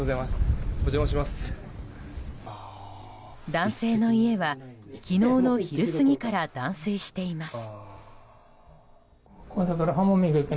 男性の家は、昨日の昼過ぎから断水しています。